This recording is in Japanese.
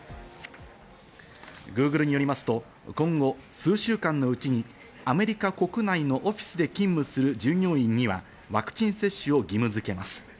Ｇｏｏｇｌｅによりますと、今後数週間のうちにアメリカ国内のオフィスで勤務する従業員にはワクチン接種を義務付けます。